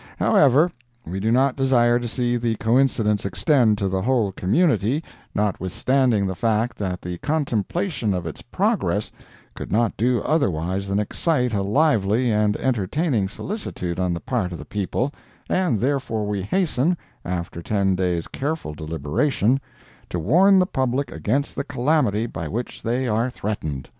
However, we do not desire to see the coincidence extend to the whole community, notwithstanding the fact that the contemplation of its progress could not do otherwise than excite a lively and entertaining solicitude on the part of the people, and therefore we hasten, after ten days' careful deliberation, to warn the public against the calamity by which they are threatened.